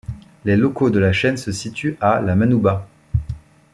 Les locaux de la chaîne se situent à La Manouba.